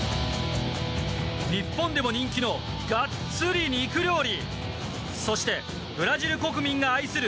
日本でも人気のガッツリ肉料理。